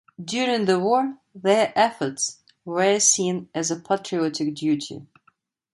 During the war, their efforts were seen as a patriotic duty.